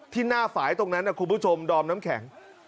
ที่หน้าฝ่ายตรงนั้นคุณผู้ชมดอมน้ำแข็ง